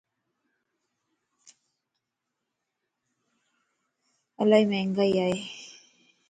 الائي مھنگائي ائي.